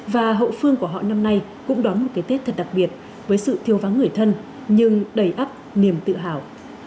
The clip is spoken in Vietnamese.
và hậu phương của họ năm nay cũng đón một cái tết thật đặc biệt với sự thiêu vắng người thân nhưng đầy ấp niềm tự hào